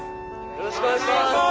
「よろしくお願いします！」。